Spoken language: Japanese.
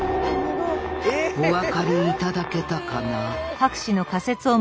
お分かりいただけたかな？